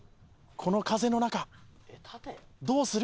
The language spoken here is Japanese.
この風の中どうする？